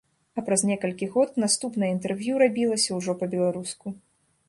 А праз некалькі год наступнае інтэрв'ю рабілася ўжо па-беларуску.